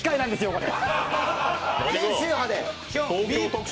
これ。